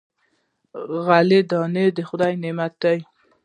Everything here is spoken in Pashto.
غله دانه د خدای نعمت دی.